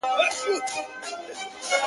o زما روح دي وسوځي ـ وجود دي مي ناکام سي ربه ـ